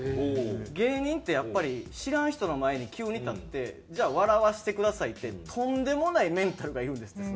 芸人ってやっぱり知らん人の前に急に立ってじゃあ笑わせてくださいってとんでもないメンタルがいるんですって。